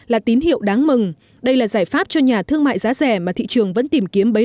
là tín hiệu đáng mừng đây là giải pháp cho nhà thương mại giá rẻ mà thị trường vẫn tìm kiếm bấy